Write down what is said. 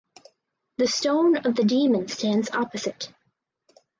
The Stone of the Demon stands opposite.